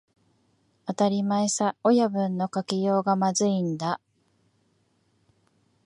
当たり前さ、親分の書きようがまずいんだ